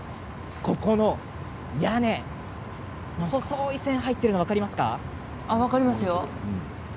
こちらの屋根細い線が入っているのが分かりますよ。